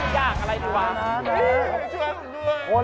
อยากตายเหรอ